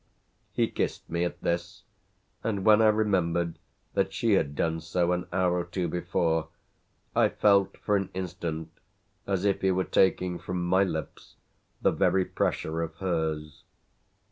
He kissed me at this, and when I remembered that she had done so an hour or two before I felt for an instant as if he were taking from my lips the very pressure of hers.